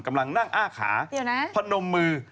กำลังนั่งอ้าขาพนมมือ